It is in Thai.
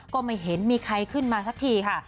ก็ไม่เห็นมีใครขึ้นมาสักทีค่ะ